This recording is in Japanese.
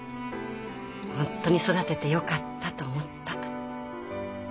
本当に育ててよかったと思った。